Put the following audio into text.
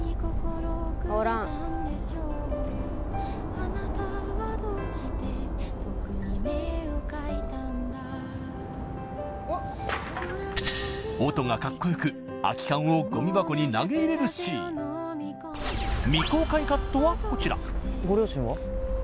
おらん音がかっこよく空き缶をゴミ箱に投げ入れるシーン未公開カットはこちらご両親は？